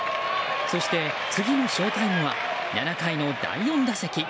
そして次のショウタイムは７回の第４打席。